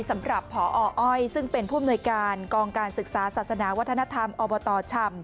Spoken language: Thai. สำหรับพออ้อยซึ่งเป็นผู้อำนวยการกองการศึกษาศาสนาวัฒนธรรมอบตชำ